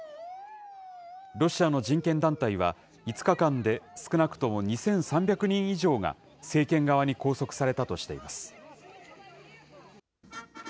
ロシアの人権団体は、５日間で少なくとも２３００人以上が、政権側に拘束されたとしています。